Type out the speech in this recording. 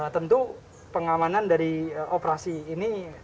tentu pengamanan dari operasi ini